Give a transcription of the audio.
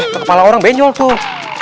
ke kepala orang benjol tuh